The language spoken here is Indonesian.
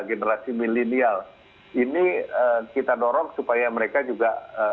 generasi milenial ini kita dorong supaya mereka juga